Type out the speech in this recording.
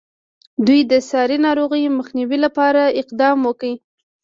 دوی د ساري ناروغیو مخنیوي لپاره اقدام وکړ.